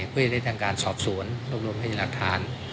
เพื่อให้ได้ทางการสอบสวนรวมรวมให้ดรับธาน